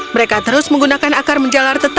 mereka terus menggunakan akar menjalar tetap di rumah mereka